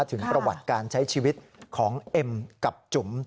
ถึงประวัติการใช้ชีวิตของเอ็มกับจุ๋ม